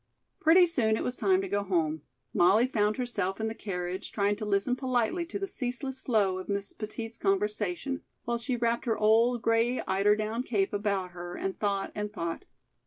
Pretty soon it was time to go home. Molly found herself in the carriage, trying to listen politely to the ceaseless flow of Miss Petit's conversation, while she wrapped her old, gray eider down cape about her and thought and thought.